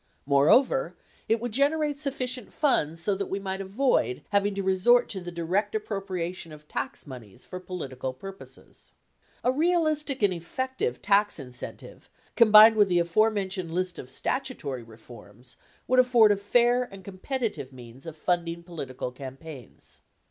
Moreover, it would generate sufficient funds so that we might avoid having to resort to the direct appropriation of tax moneys for politi cal purposes. A realistic and effective tax incentive, combined with the aforementioned list of statutory reforms, would afford a fair and com petitive means of funding political campaigns.